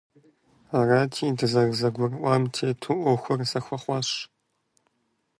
Арати, дызэрызэгурыӀуам тету Ӏуэхур зэхуэхъуащ.